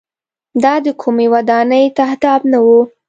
دا د کومۍ ودانۍ تهداب نه و.